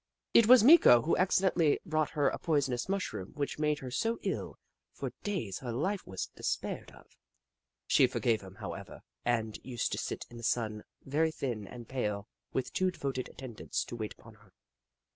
It was Meeko who accident ally brought her a poisonous mushroom which made her so ill that for days her life was de spaired of. She forgave him, however, and used to sit in the sun, very thin and pale, with two devoted attendants to wait upon her.